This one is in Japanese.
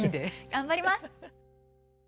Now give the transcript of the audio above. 頑張ります。